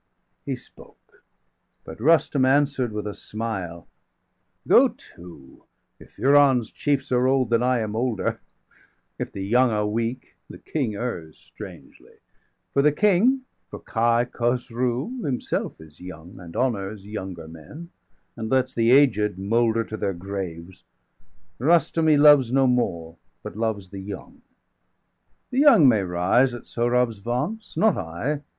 He spoke; but Rustum answer'd with a smile: 220 "Go to°! if Iran's chiefs are old, then I °221 Am older; if the young are weak, the King Errs strangely; for the King, for Kai Khosroo,° °223 Himself is young, and honours younger men, And lets the aged moulder to their graves. 225 Rustum he loves no more, but loves the young The young may rise at Sohrab's vaunts, not I.